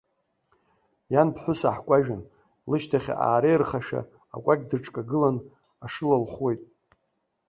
Иан ԥҳәыс аҳкәажәын, лышьҭахь аареиархашәа акәакь дыкҿагыланы ашыла лхәуеит.